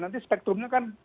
nanti spektrumnya kan